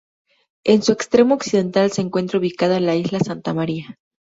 En su extremo occidental se encuentra ubicada la Isla Santa María.